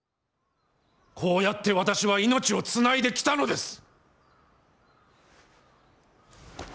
こうやって私は命をつないできたのです。